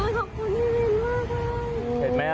ขอบคุณพี่วินมากเลย